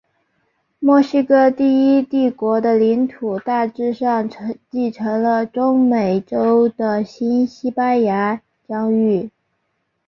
墨西哥第一帝国的领土大致上继承了中美洲的新西班牙疆域。